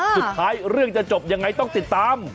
สุดท้ายเรื่องจะจบยังไงต้องติดตาม